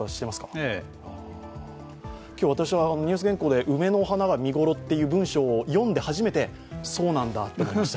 今日、私はニュース原稿で「梅の花が見頃」という文章を読んで初めてそうなんだと思いました。